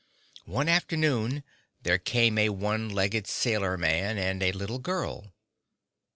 explained Peg] "One afternoon there came a one legged sailor man and a little girl."